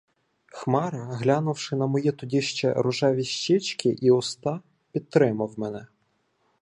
Хмара, глянувши на мої тоді ще "рожеві щічки" і уста, підтримав мене.